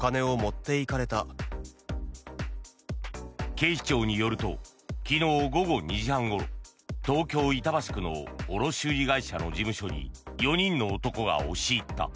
警視庁によると昨日午後２時半ごろ東京・板橋区の卸売会社の事務所に４人の男が押し入った。